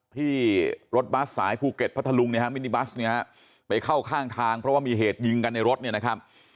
ที่รถบัสสายภูเก็ตพระทะลุงมินิบัสไปเข้าข้างทางเพราะว่ามีเหตุยิงกันในรถเนี่ยนะครับ